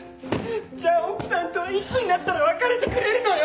じゃあ奥さんといつになったら別れてくれるのよ。